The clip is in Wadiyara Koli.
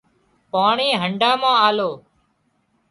پاڻي هنڍا مان آلو